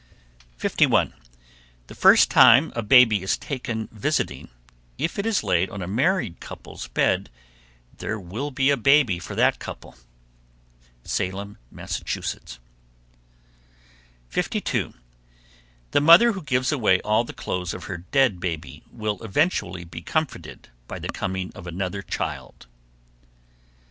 _ 51. The first time a baby is taken visiting, if it is laid on a married couple's bed there will be a baby for that couple. Salem, Mass. 52. The mother who gives away all the clothes of her dead baby will eventually be comforted by the coming of another child.